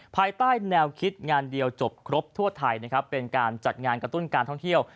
ภายใต้แนวคิดงานเดียวจบครบทั่วไทยนะครับเป็นการจัดงานกระตุ้นการท่องเที่ยว